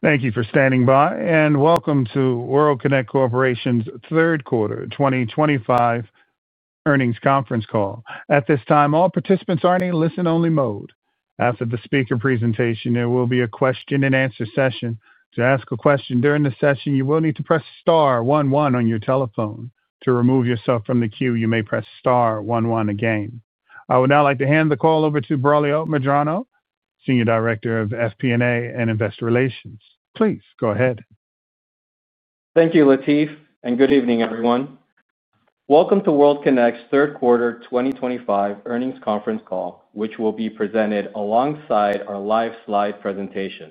Thank you for standing by and welcome to World Kinect Corporation's third quarter 2025 earnings conference call. At this time, all participants are in a listen-only mode. After the speaker presentation, there will be a question-and-answer session. To ask a question during the session, you will need to press star one one on your telephone. To remove yourself from the queue, you may press star one one again. I would now like to hand the call over to Braulio Medrano, Senior Director of FP&A and Investor Relations. Please go ahead. Thank you, Latif, and good evening, everyone. Welcome to World Kinect's third quarter 2025 earnings conference call, which will be presented alongside our live slide presentation.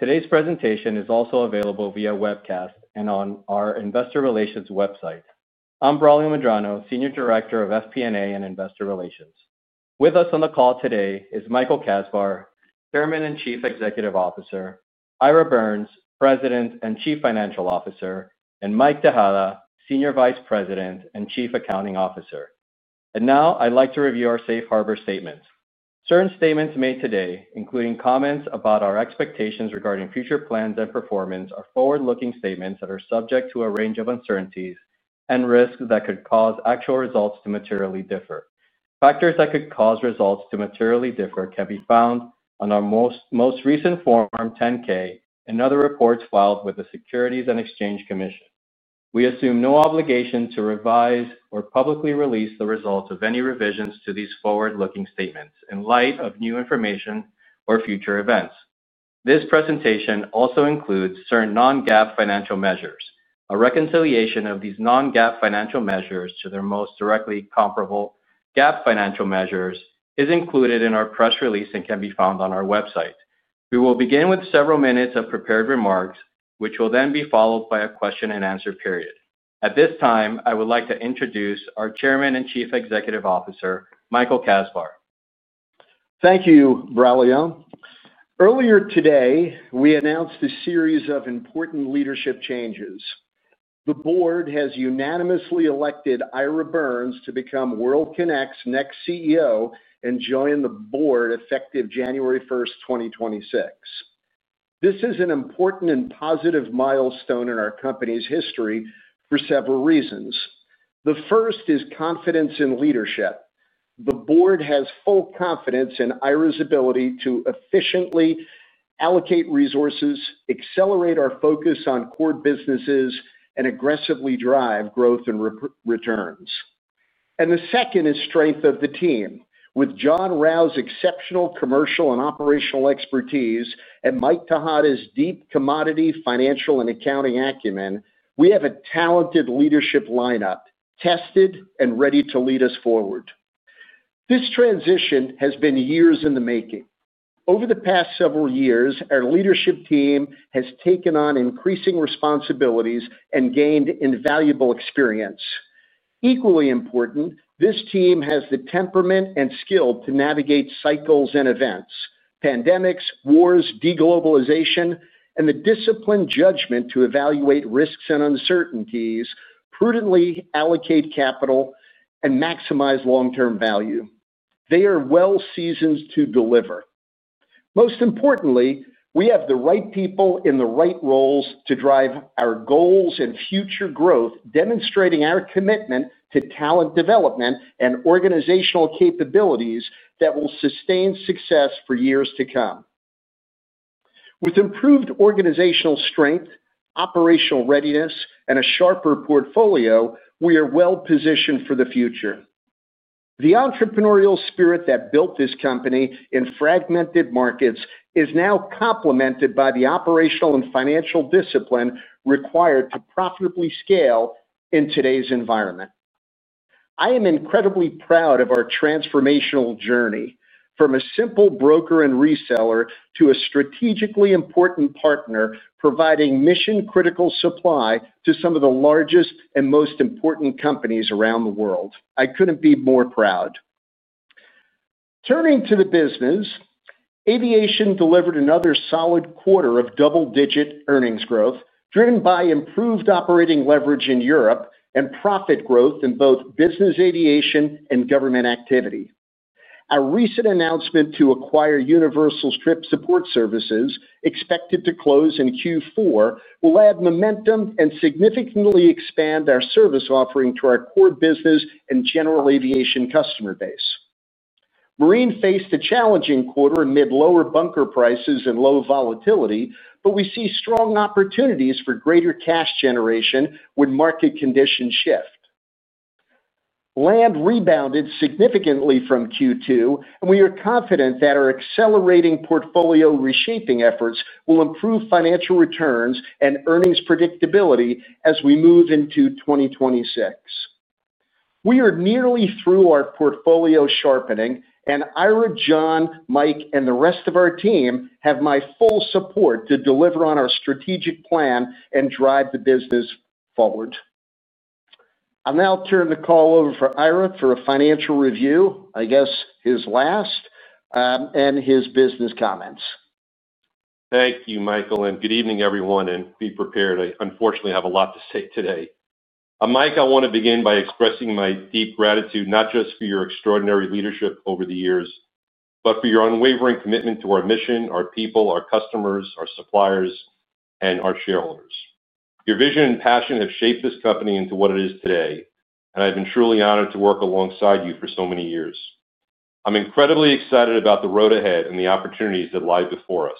Today's presentation is also available via webcast and on our Investor Relations website. I'm Braulio Medrano, Senior Director of FP&A and Investor Relations. With us on the call today are Michael Kasbar, Chairman and Chief Executive Officer; Ira Birns, President and Chief Financial Officer; and Mike Tejada, Senior Vice President and Chief Accounting Officer. I would like to review our safe harbor statements. Certain statements made today, including comments about our expectations regarding future plans and performance, are forward-looking statements that are subject to a range of uncertainties and risks that could cause actual results to materially differ. Factors that could cause results to materially differ can be found on our most recent Form 10-K and other reports filed with the Securities and Exchange Commission. We assume no obligation to revise or publicly release the results of any revisions to these forward-looking statements in light of new information or future events. This presentation also includes certain non-GAAP financial measures. A reconciliation of these non-GAAP financial measures to their most directly comparable GAAP financial measures is included in our press release and can be found on our website. We will begin with several minutes of prepared remarks, which will then be followed by a question-and-answer period. At this time, I would like to introduce our Chairman and Chief Executive Officer, Michael Kasbar. Thank you, Braulio. Earlier today, we announced a series of important leadership changes. The board has unanimously elected Ira Birns to become World Kinect's next CEO and join the board effective January 1, 2026. This is an important and positive milestone in our company's history for several reasons. The first is confidence in leadership. The board has full confidence in Ira's ability to efficiently allocate resources, accelerate our focus on core businesses, and aggressively drive growth and returns. The second is strength of the team. With John Rau's exceptional commercial and operational expertise and Mike Tejada's deep commodity financial and accounting acumen, we have a talented leadership lineup tested and ready to lead us forward. This transition has been years in the making. Over the past several years, our leadership team has taken on increasing responsibilities and gained invaluable experience. Equally important, this team has the temperament and skill to navigate cycles and events: pandemics, wars, de-globalization, and the disciplined judgment to evaluate risks and uncertainties, prudently allocate capital, and maximize long-term value. They are well-seasoned to deliver. Most importantly, we have the right people in the right roles to drive our goals and future growth, demonstrating our commitment to talent development and organizational capabilities that will sustain success for years to come. With improved organizational strength, operational readiness, and a sharper portfolio, we are well-positioned for the future. The entrepreneurial spirit that built this company in fragmented markets is now complemented by the operational and financial discipline required to profitably scale in today's environment. I am incredibly proud of our transformational journey, from a simple broker and reseller to a strategically important partner providing mission-critical supply to some of the largest and most important companies around the world. I couldn't be more proud. Turning to the business, aviation delivered another solid quarter of double-digit earnings growth, driven by improved operating leverage in Europe and profit growth in both business aviation and government activity. Our recent announcement to acquire Universal Trip Support Services, expected to close in Q4, will add momentum and significantly expand our service offering to our core business and general aviation customer base. Marine faced a challenging quarter amid lower bunker prices and low volatility, but we see strong opportunities for greater cash generation when market conditions shift. Land rebounded significantly from Q2, and we are confident that our accelerating portfolio reshaping efforts will improve financial returns and earnings predictability as we move into 2026. We are nearly through our portfolio sharpening, and Ira, John, Mike, and the rest of our team have my full support to deliver on our strategic plan and drive the business forward. I'll now turn the call over to Ira for a financial review, I guess his last, and his business comments. Thank you, Michael, and good evening, everyone, and be prepared. I, unfortunately, have a lot to say today. Mike, I want to begin by expressing my deep gratitude not just for your extraordinary leadership over the years, but for your unwavering commitment to our mission, our people, our customers, our suppliers, and our shareholders. Your vision and passion have shaped this company into what it is today, and I've been truly honored to work alongside you for so many years. I'm incredibly excited about the road ahead and the opportunities that lie before us.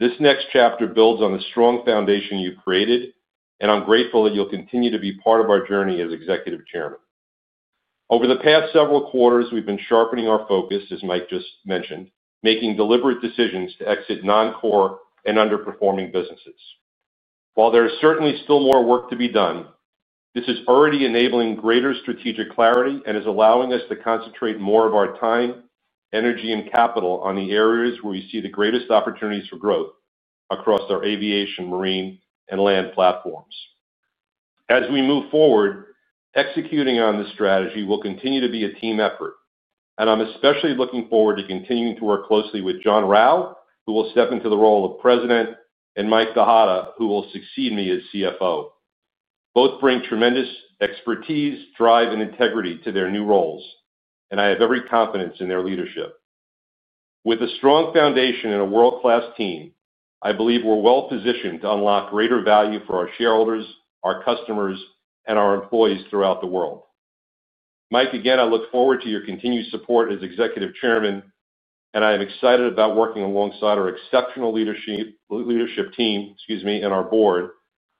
This next chapter builds on the strong foundation you've created, and I'm grateful that you'll continue to be part of our journey as Executive Chairman. Over the past several quarters, we've been sharpening our focus, as Mike just mentioned, making deliberate decisions to exit non-core and underperforming businesses. While there is certainly still more work to be done, this is already enabling greater strategic clarity and is allowing us to concentrate more of our time, energy, and capital on the areas where we see the greatest opportunities for growth across our aviation, marine, and land platforms. As we move forward, executing on this strategy will continue to be a team effort, and I'm especially looking forward to continuing to work closely with John Rau, who will step into the role of President, and Mike Tejada, who will succeed me as CFO. Both bring tremendous expertise, drive, and integrity to their new roles, and I have every confidence in their leadership. With a strong foundation and a world-class team, I believe we're well-positioned to unlock greater value for our shareholders, our customers, and our employees throughout the world. Mike, again, I look forward to your continued support as Executive Chairman, and I am excited about working alongside our exceptional leadership team and our board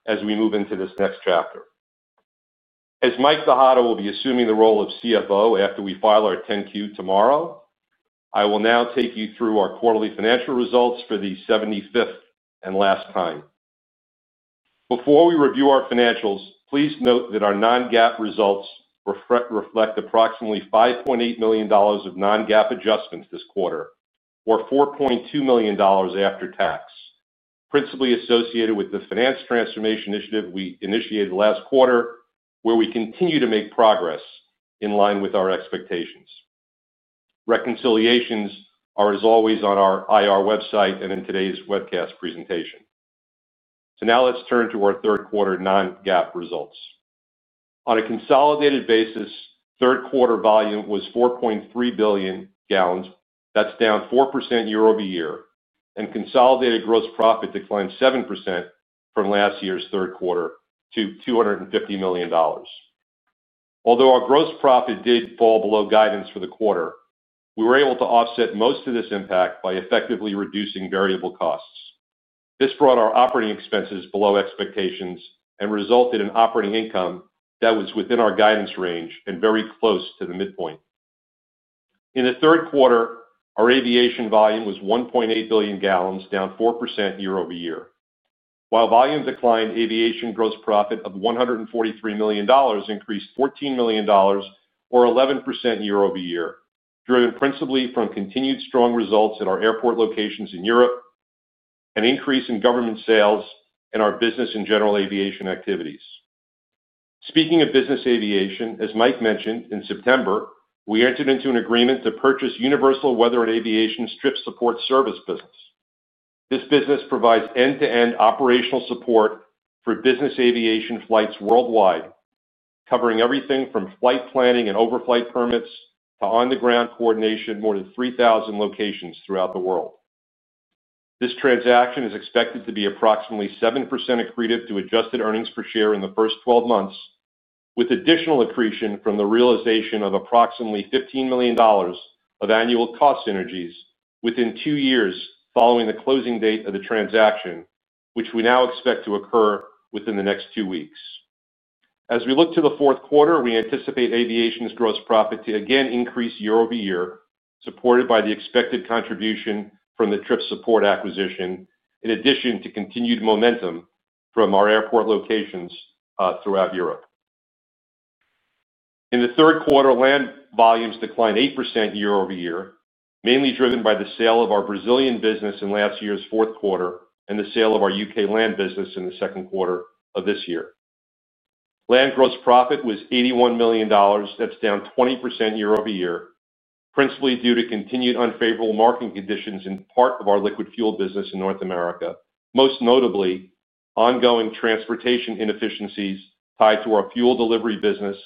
as we move into this next chapter. As Mike Tejada will be assuming the role of CFO after we file our 10-Q tomorrow, I will now take you through our quarterly financial results for the 75th and last time. Before we review our financials, please note that our non-GAAP results reflect approximately $5.8 million of non-GAAP adjustments this quarter, or $4.2 million after tax, principally associated with the finance transformation initiative we initiated last quarter, where we continue to make progress in line with our expectations. Reconciliations are, as always, on our IR website and in today's webcast presentation. Now let's turn to our third quarter non-GAAP results. On a consolidated basis, third quarter volume was 4.3 billion gallons. That's down 4% year-over-year, and consolidated gross profit declined 7% from last year's third quarter to $250 million. Although our gross profit did fall below guidance for the quarter, we were able to offset most of this impact by effectively reducing variable costs. This brought our operating expenses below expectations and resulted in operating income that was within our guidance range and very close to the midpoint. In the third quarter, our aviation volume was 1.8 billion gallons, down 4% year-over-year. While volume declined, aviation gross profit of $143 million increased $14 million, or 11% year-over-year, driven principally from continued strong results at our airport locations in Europe and an increase in government sales and our business in general aviation activities. Speaking of business aviation, as Mike mentioned, in September, we entered into an agreement to purchase Universal Weather and Aviation Trip Support Services business. This business provides end-to-end operational support for business aviation flights worldwide, covering everything from flight planning and overflight permits to on-the-ground coordination at more than 3,000 locations throughout the world. This transaction is expected to be approximately 7% accretive to adjusted EPS in the first 12 months, with additional accretion from the realization of approximately $15 million of annual cost synergies within two years following the closing date of the transaction, which we now expect to occur within the next two weeks. As we look to the fourth quarter, we anticipate aviation's gross profit to again increase year-over-year, supported by the expected contribution from the Trip Support Services acquisition, in addition to continued momentum from our airport locations throughout Europe. In the third quarter, land volumes declined 8% year-over-year, mainly driven by the sale of our Brazilian business in last year's fourth quarter and the sale of our UK land business in the second quarter of this year. Land gross profit was $81 million. That's down 20% year-over-year, principally due to continued unfavorable market conditions in part of our liquid fuel business in North America, most notably ongoing transportation inefficiencies tied to our fuel delivery business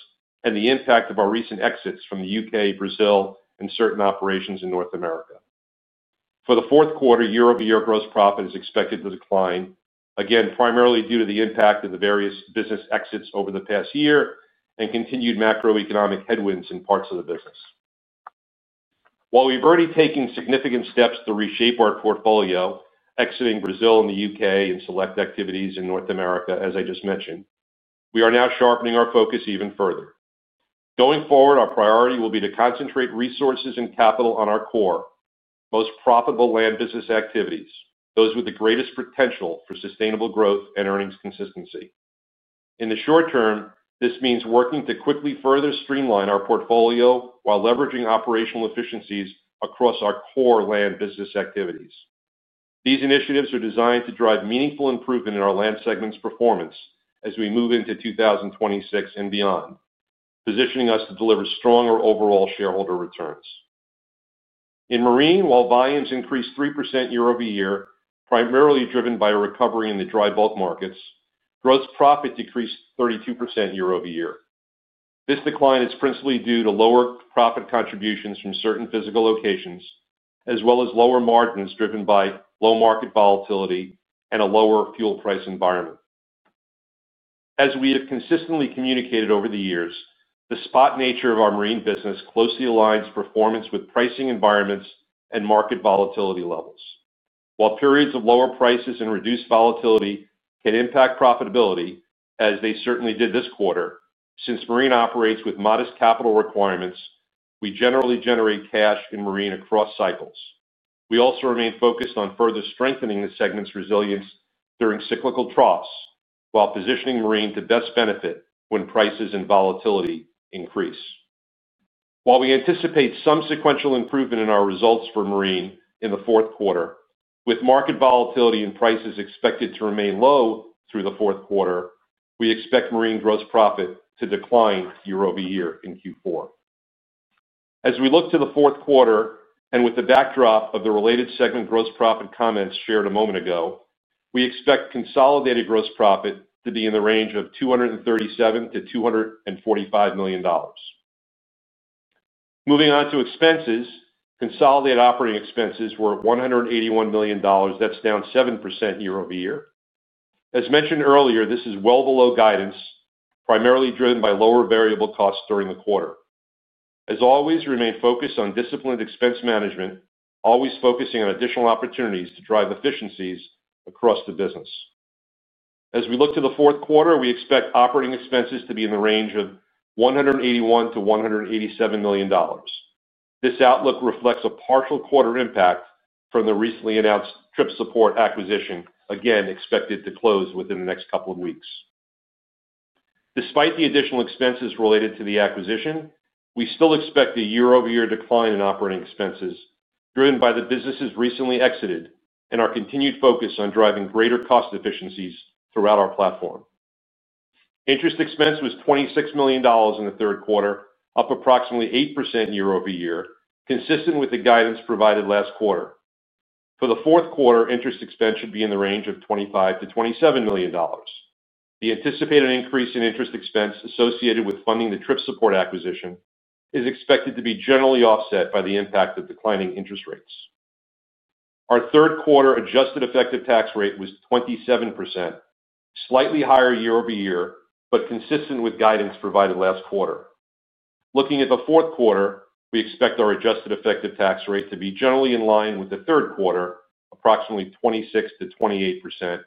and the impact of our recent exits from the UK, Brazil, and certain operations in North America. For the fourth quarter, year-over-year, gross profit is expected to decline, again, primarily due to the impact of the various business exits over the past year and continued macroeconomic headwinds in parts of the business. While we've already taken significant steps to reshape our portfolio, exiting Brazil and the UK and select activities in North America, as I just mentioned, we are now sharpening our focus even further. Going forward, our priority will be to concentrate resources and capital on our core, most profitable land business activities, those with the greatest potential for sustainable growth and earnings consistency. In the short term, this means working to quickly further streamline our portfolio while leveraging operational efficiencies across our core land business activities. These initiatives are designed to drive meaningful improvement in our land segment's performance as we move into 2026 and beyond, positioning us to deliver stronger overall shareholder returns. In marine, while volumes increased 3% year-over-year, primarily driven by a recovery in the dry bulk markets, gross profit decreased 32% year-over-year. This decline is principally due to lower profit contributions from certain physical locations, as well as lower margins driven by low market volatility and a lower fuel price environment. As we have consistently communicated over the years, the spot nature of our marine business closely aligns performance with pricing environments and market volatility levels. While periods of lower prices and reduced volatility can impact profitability, as they certainly did this quarter, since marine operates with modest capital requirements, we generally generate cash in marine across cycles. We also remain focused on further strengthening the segment's resilience during cyclical troughs, while positioning marine to best benefit when prices and volatility increase. While we anticipate some sequential improvement in our results for marine in the fourth quarter, with market volatility and prices expected to remain low through the fourth quarter, we expect marine gross profit to decline year-over-year in Q4. As we look to the fourth quarter, and with the backdrop of the related segment gross profit comments shared a moment ago, we expect consolidated gross profit to be in the range of $237 million-$245 million. Moving on to expenses, consolidated operating expenses were at $181 million. That's down 7% year-over-year. As mentioned earlier, this is well below guidance, primarily driven by lower variable costs during the quarter. As always, we remain focused on disciplined expense management, always focusing on additional opportunities to drive efficiencies across the business. As we look to the fourth quarter, we expect operating expenses to be in the range of $181 million-$187 million. This outlook reflects a partial quarter impact from the recently announced Trip Support Services acquisition, again expected to close within the next couple of weeks. Despite the additional expenses related to the acquisition, we still expect a year-over-year decline in operating expenses, driven by the businesses recently exited and our continued focus on driving greater cost efficiencies throughout our platform. Interest expense was $26 million in the third quarter, up approximately 8% year-over-year, consistent with the guidance provided last quarter. For the fourth quarter, interest expense should be in the range of $25 million-$27 million. The anticipated increase in interest expense associated with funding the Trip Support Services acquisition is expected to be generally offset by the impact of declining interest rates. Our third quarter adjusted effective tax rate was 27%, slightly higher year-over-year, but consistent with guidance provided last quarter. Looking at the fourth quarter, we expect our adjusted effective tax rate to be generally in line with the third quarter, approximately 26%-28%,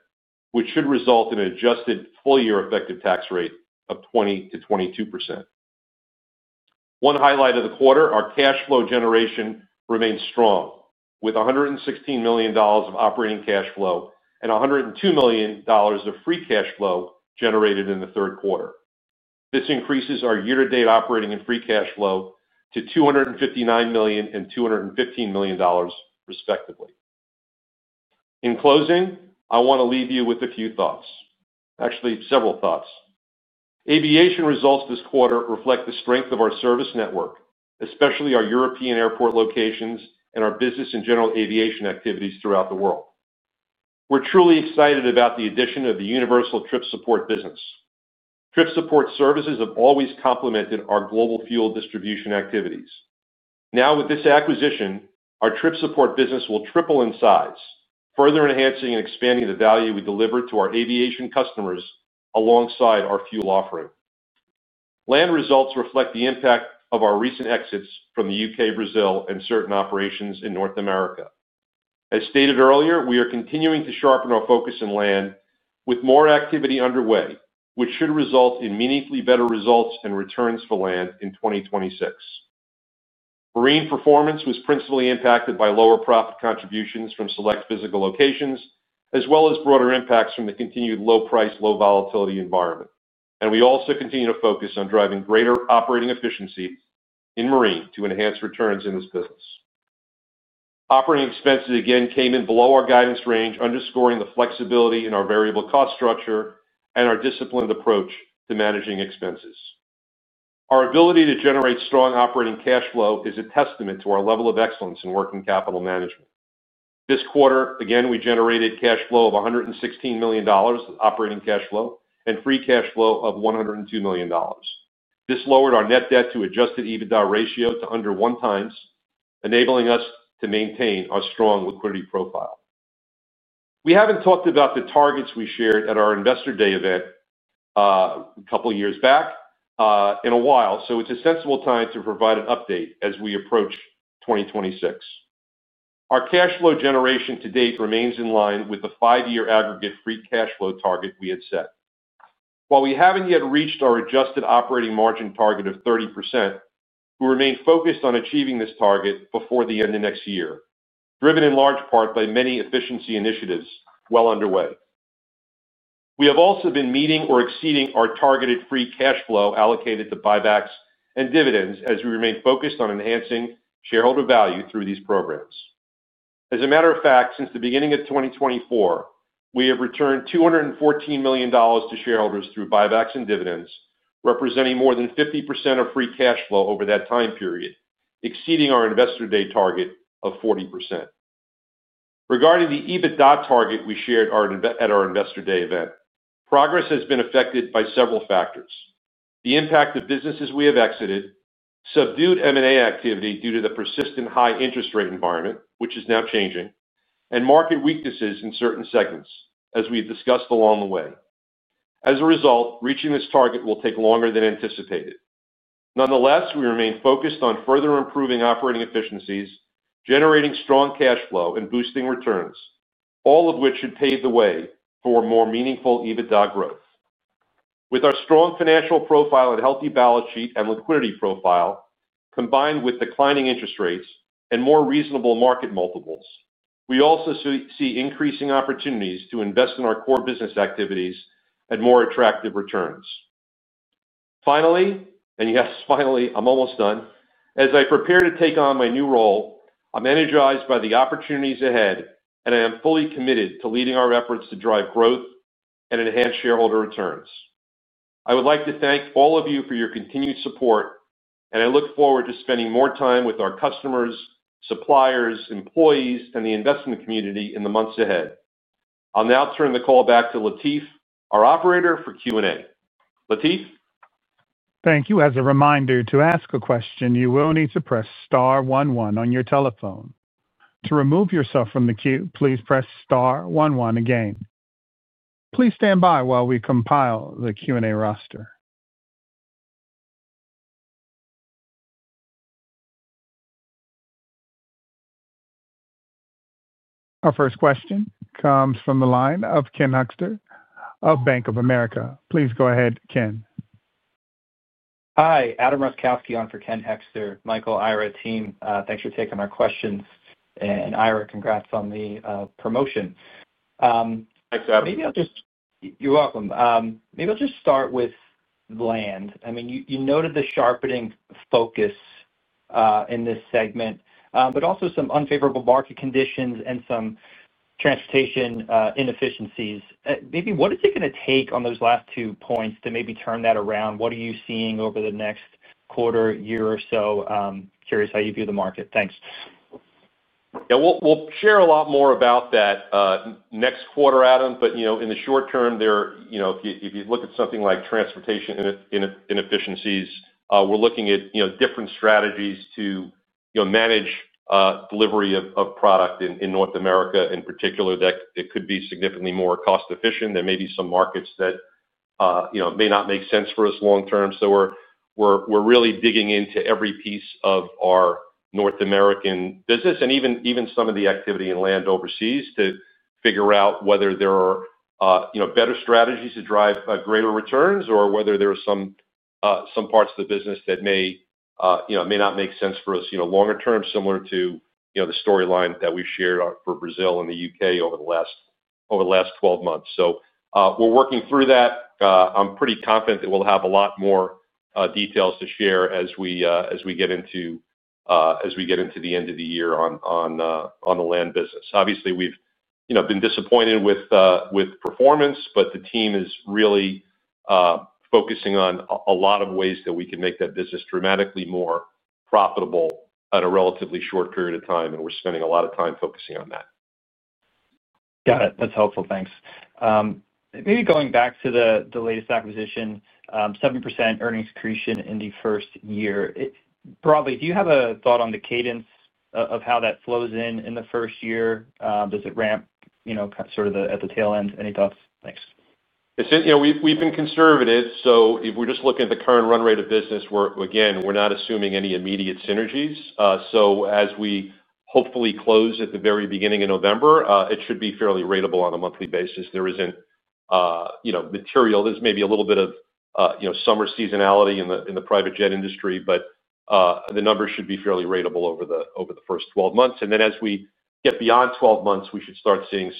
which should result in an adjusted full-year effective tax rate of 20%-22%. One highlight of the quarter, our cash flow generation remains strong, with $116 million of operating cash flow and $102 million of free cash flow generated in the third quarter. This increases our year-to-date operating and free cash flow to $259 million and $215 million, respectively. In closing, I want to leave you with a few thoughts. Actually, several thoughts. Aviation results this quarter reflect the strength of our service network, especially our European airport locations and our business in general aviation activities throughout the world. We're truly excited about the addition of the Universal Trip Support business. Trip Support Services have always complemented our global fuel distribution activities. Now, with this acquisition, our Trip Support business will triple in size, further enhancing and expanding the value we deliver to our aviation customers alongside our fuel offering. Land results reflect the impact of our recent exits from the UK, Brazil, and certain operations in North America. As stated earlier, we are continuing to sharpen our focus in land, with more activity underway, which should result in meaningfully better results and returns for land in 2026. Marine performance was principally impacted by lower profit contributions from select physical locations, as well as broader impacts from the continued low price, low volatility environment. We also continue to focus on driving greater operating efficiency in marine to enhance returns in this business. Operating expenses again came in below our guidance range, underscoring the flexibility in our variable cost structure and our disciplined approach to managing expenses. Our ability to generate strong operating cash flow is a testament to our level of excellence in working capital management. This quarter, again, we generated cash flow of $116 million of operating cash flow and free cash flow of $102 million. This lowered our net debt to adjusted EBITDA ratio to under one times, enabling us to maintain our strong liquidity profile. We haven't talked about the targets we shared at our Investor Day event a couple of years back in a while, so it's a sensible time to provide an update as we approach 2026. Our cash flow generation to date remains in line with the five-year aggregate free cash flow target we had set. While we haven't yet reached our adjusted operating margin target of 30%, we remain focused on achieving this target before the end of next year, driven in large part by many efficiency initiatives well underway. We have also been meeting or exceeding our targeted free cash flow allocated to buybacks and dividends as we remain focused on enhancing shareholder value through these programs. As a matter of fact, since the beginning of 2024, we have returned $214 million to shareholders through buybacks and dividends, representing more than 50% of free cash flow over that time period, exceeding our Investor Day target of 40%. Regarding the EBITDA target we shared at our Investor Day event, progress has been affected by several factors: the impact of businesses we have exited, subdued M&A activity due to the persistent high interest rate environment, which is now changing, and market weaknesses in certain segments, as we've discussed along the way. As a result, reaching this target will take longer than anticipated. Nonetheless, we remain focused on further improving operating efficiencies, generating strong cash flow, and boosting returns, all of which should pave the way for more meaningful EBITDA growth. With our strong financial profile and healthy balance sheet and liquidity profile, combined with declining interest rates and more reasonable market multiples, we also see increasing opportunities to invest in our core business activities at more attractive returns. Finally, I'm almost done. As I prepare to take on my new role, I'm energized by the opportunities ahead, and I am fully committed to leading our efforts to drive growth and enhance shareholder returns. I would like to thank all of you for your continued support, and I look forward to spending more time with our customers, suppliers, employees, and the investment community in the months ahead. I'll now turn the call back to Latif, our operator for Q&A. Latif? Thank you. As a reminder, to ask a question, you will need to press star one one on your telephone. To remove yourself from the queue, please press star one one again. Please stand by while we compile the Q&A roster. Our first question comes from the line of Ken Hoexter of BofA. Please go ahead, Ken. Hi, Adam Rutkowski on for Ken Hoexter. Michael, Ira, team, thanks for taking our questions. Ira, congrats on the promotion. Thanks, Adam. You're welcome. Maybe I'll just start with land. I mean, you noted the sharpening focus in this segment, but also some unfavorable market conditions and some transportation inefficiencies. What is it going to take on those last two points to maybe turn that around? What are you seeing over the next quarter, year, or so? Curious how you view the market. Thanks. Yeah, we'll share a lot more about that next quarter, Adam. In the short term, if you look at something like transportation inefficiencies, we're looking at different strategies to manage delivery of product in North America. In particular, that could be significantly more cost-efficient. There may be some markets that may not make sense for us long term. We're really digging into every piece of our North American business and even some of the activity in land overseas to figure out whether there are better strategies to drive greater returns or whether there are some parts of the business that may not make sense for us longer term, similar to the storyline that we've shared for Brazil and the UK over the last 12 months. We're working through that. I'm pretty confident that we'll have a lot more details to share as we get into the end of the year on the land business. Obviously, we've been disappointed with performance, but the team is really focusing on a lot of ways that we can make that business dramatically more profitable in a relatively short period of time, and we're spending a lot of time focusing on that. Got it. That's helpful. Thanks. Maybe going back to the latest acquisition, 7% earnings accretion in the first year. Broadly, do you have a thought on the cadence of how that flows in in the first year? Does it ramp, you know, sort of at the tail end? Any thoughts? Thanks. We've been conservative. If we're just looking at the current run rate of business, we're not assuming any immediate synergies. As we hopefully close at the very beginning of November, it should be fairly ratable on a monthly basis. There isn't material. There's maybe a little bit of summer seasonality in the private jet industry, but the numbers should be fairly ratable over the first 12 months. As we get beyond 12 months, we should start seeing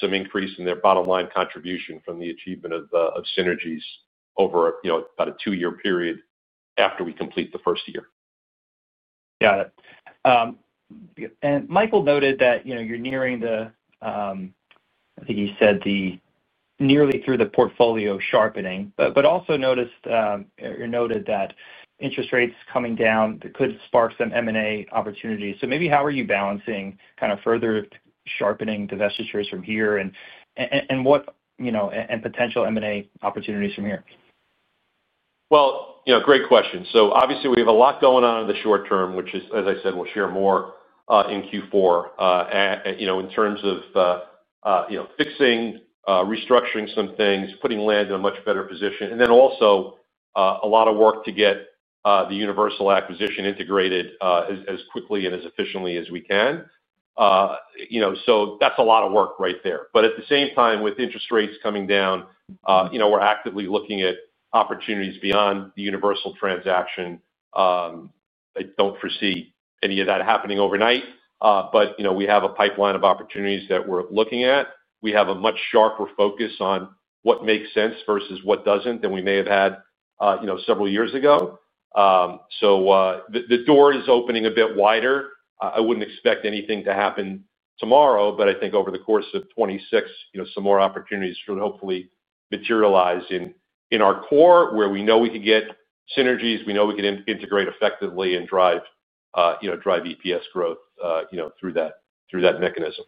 some increase in their bottom line contribution from the achievement of synergies over about a two-year period after we complete the first year. Got it. Michael noted that you're nearing, I think he said nearly through, the portfolio sharpening, but also noted that interest rates coming down could spark some M&A opportunities. How are you balancing further sharpening divestitures from here and potential M&A opportunities from here? Great question. Obviously, we have a lot going on in the short term, which is, as I said, we'll share more in Q4. In terms of fixing, restructuring some things, putting land in a much better position, and then also a lot of work to get the Universal Acquisition integrated as quickly and as efficiently as we can, that's a lot of work right there. At the same time, with interest rates coming down, we're actively looking at opportunities beyond the Universal transaction. I don't foresee any of that happening overnight, but we have a pipeline of opportunities that we're looking at. We have a much sharper focus on what makes sense versus what doesn't than we may have had several years ago. The door is opening a bit wider. I wouldn't expect anything to happen tomorrow, but I think over the course of 2026, some more opportunities should hopefully materialize in our core where we know we could get synergies, we know we could integrate effectively and drive EPS growth through that mechanism.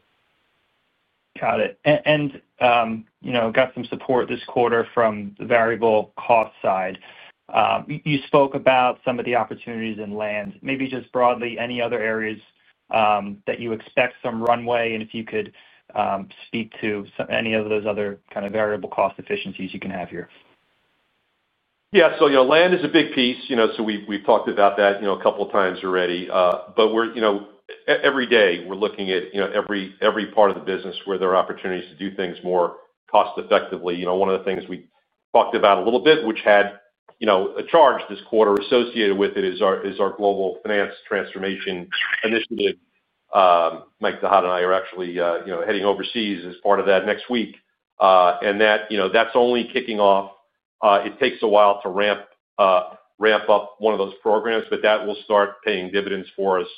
Got it. You know, got some support this quarter from the variable cost side. You spoke about some of the opportunities in land. Maybe just broadly, any other areas that you expect some runway, and if you could speak to any of those other kind of variable cost efficiencies you can have here. Yeah, land is a big piece, you know, so we've talked about that a couple of times already. We're, every day we're looking at every part of the business where there are opportunities to do things more cost-effectively. One of the things we talked about a little bit, which had a charge this quarter associated with it, is our global finance transformation initiative. Mike Tejada and I are actually heading overseas as part of that next week. That's only kicking off. It takes a while to ramp up one of those programs, but that will start paying dividends for us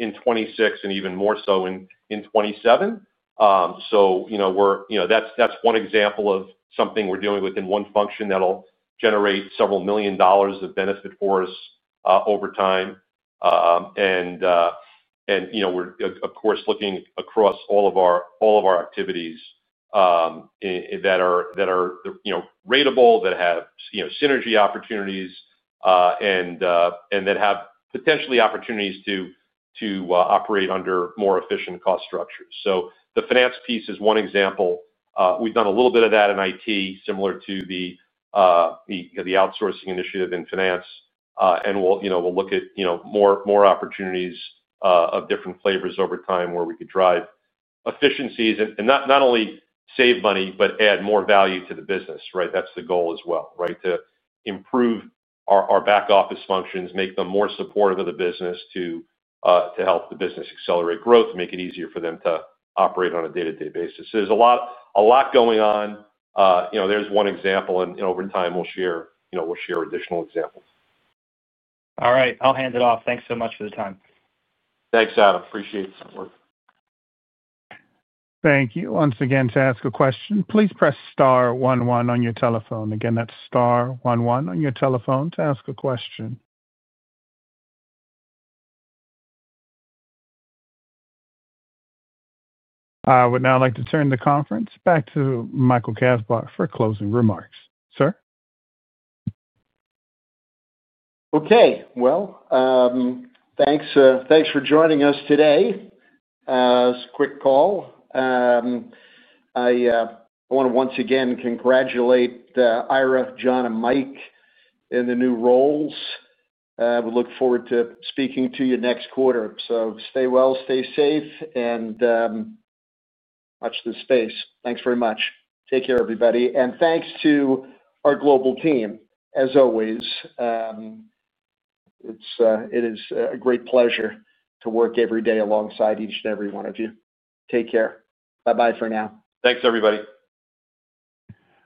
in 2026 and even more so in 2027. We're, that's one example of something we're doing within one function that'll generate several million dollars of benefit for us over time. We're, of course, looking across all of our activities that are ratable, that have synergy opportunities, and that have potentially opportunities to operate under more efficient cost structures. The finance piece is one example. We've done a little bit of that in IT, similar to the outsourcing initiative in finance. We'll look at more opportunities of different flavors over time where we could drive efficiencies and not only save money, but add more value to the business, right? That's the goal as well, right? To improve our back office functions, make them more supportive of the business to help the business accelerate growth, make it easier for them to operate on a day-to-day basis. There's a lot going on. There's one example, and over time we'll share additional examples. All right, I'll hand it off. Thanks so much for the time. Thanks, Adam. Appreciate the support. Thank you. Once again, to ask a question, please press star one one on your telephone. Again, that's star one one on your telephone to ask a question. I would now like to turn the conference back to Michael Kasbar for closing remarks, sir. Okay, thanks for joining us today. It's a quick call. I want to once again congratulate Ira, John, and Mike in the new roles. We look forward to speaking to you next quarter. Stay well, stay safe, and watch this space. Thanks very much. Take care, everybody. Thanks to our global team. As always, it is a great pleasure to work every day alongside each and every one of you. Take care. Bye-bye for now. Thanks, everybody.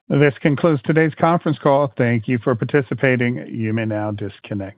This concludes today's conference call. Thank you for participating. You may now disconnect.